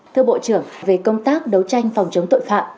thưa bộ trưởng về công tác đấu tranh phòng chống tội phạm